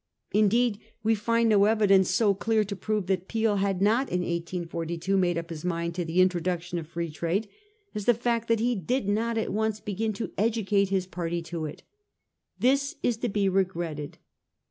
Indeed we find no evidence so clear to prove that Peel had not in 1842 made up his mind to the introduction of Free Trade as the fact that he did not at once begin to educate his party to it. This is to be regretted.